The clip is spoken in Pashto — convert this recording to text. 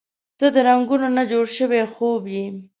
• ته د رنګونو نه جوړ شوی خوب یې.